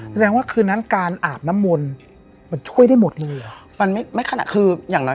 แสดงว่าคือนั่งการอาบน้ำมนต์มันช่วยได้หมดมั้ย